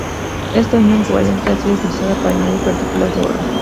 Esta unión covalente ha sido utilizada para añadir partículas de oro.